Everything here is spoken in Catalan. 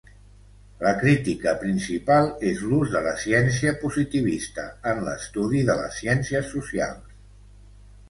La crítica principal és l'ús de la ciència positivista en l'estudi de les ciències socials.